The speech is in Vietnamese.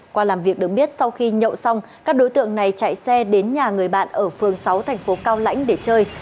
qua làm việc được biết sau khi nhậu xong các đối tượng này chạy xe đến nhà người bạn ở phường sáu thành phố cao lãnh để chơi